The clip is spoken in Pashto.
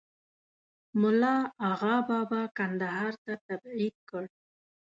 مُلا آغابابا کندهار ته تبعید کړ.